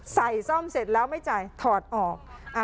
ซ่อมเสร็จแล้วไม่จ่ายถอดออก